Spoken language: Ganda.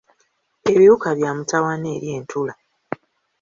Ebiwuka bya mutawaana eri entula.